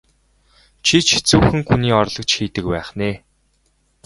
Чи ч хэцүүхэн хүний орлогч хийдэг байх нь ээ?